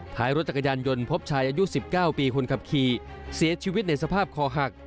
ท้ายรถจักรยานยนต์พบชายอายุ๑๙ปีคนขับขี่เสียชีวิตในสภาพคอหัก